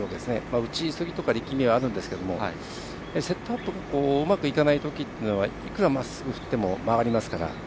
打ち急ぎとか力みはあるんですけどセットアップがうまくいかないときはいくらまっすぐ振っても回りますから。